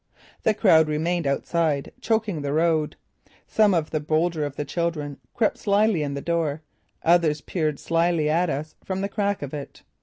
The crowd remained outside, choking the road. Some of the bolder of the children crept slyly in the door, others peered shyly at us from the crack of it.